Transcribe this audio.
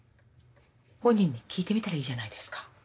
本人に聞いてみたらいいじゃないですか。